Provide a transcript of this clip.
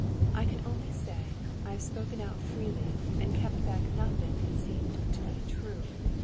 I can only say, I have spoken out freely, and kept back nothing that seemed to me true.